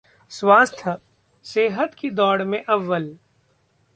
स्वास्थ्य: सेहत की दौड़ में अव्वल